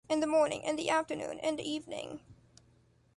In the morning, in the afternoon, in the evening.